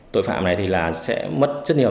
tội phạm này sẽ mất rất nhiều